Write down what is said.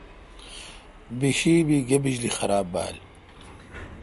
بیشی بی گہ بجلی خراب بال۔